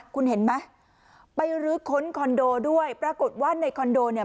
คุณเห็นไหมไปรื้อค้นคอนโดด้วยปรากฏว่าในคอนโดเนี่ย